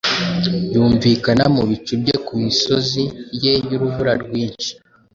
yumvikana mu bicu bye Ku misozi ye y'urubura rwinshi,